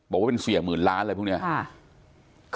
บอกว่าเป็นเสียหมื่นล้านอะไรพวกนี้